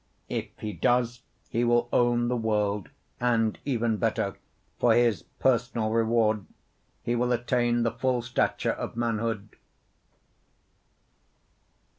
If he does, he will own the world, and even better, for his personal reward he will attain the full stature of manhood.